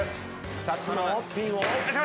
２つのピンを。